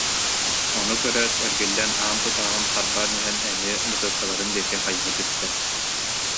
Ону көрөөт, эргиллэн аан тутааҕын харбаан иһэн эмиэ бытыылкаларын диэки хайыһа түстэ